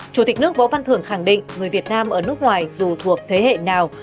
chủ tịch nước võ văn thưởng khẳng định người việt nam ở nước ngoài dù thuộc thế hệ nào